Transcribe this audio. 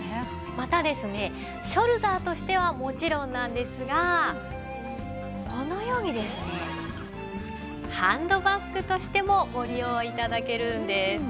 またですねショルダーとしてはもちろんなんですがこのようにですねハンドバッグとしてもご利用頂けるんです。